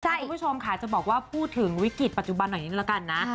คุณผู้ชมค่ะจะบอกว่าพูดถึงวิกฤตปัจจุบันหน่อยนึงแล้วกันนะ